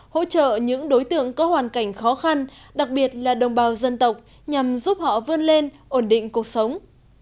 hỗ trợ những đối tượng có hoàn cảnh khó khăn đặc biệt là đồng bào dân tộc nhằm giúp họ vươn lên ổn định cuộc sống